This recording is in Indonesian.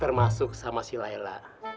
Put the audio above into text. termasuk sama si layla